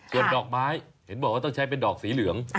ส่วนดอกไม้เห็นบอกว่าต้องใช้เป็นดอกสีเหลือง